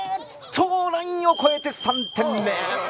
ラインを越えて３点目。